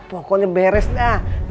pokoknya beres dah